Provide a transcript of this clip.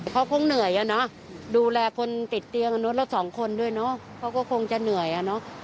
พาเขาคงจะเหนื่อยอานะ